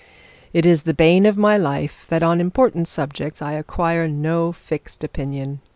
'It is the bane of my life that on important subjects I acquire no fixed opinion.